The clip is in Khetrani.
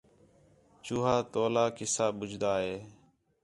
چوہا تولا قصہ ٻُجھدا ہِے